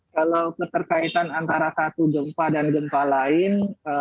kalau keterkaitan antara satu gempa dan gempa lain